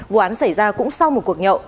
vụ án xảy ra cũng sau một cuộc nhậu